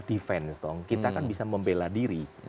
defense dong kita kan bisa membela diri